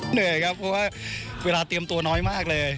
เหนื่อยครับเพราะว่าเวลาเตรียมตัวน้อยมากเลย